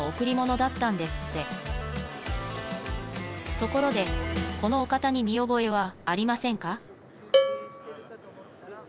ところでこのお方に見覚えはありませんか？